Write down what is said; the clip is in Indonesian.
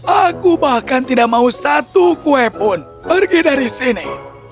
aku bahkan tidak mau satu kue pun pergi dari sini